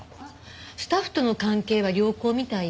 スタッフとの関係は良好みたいよ。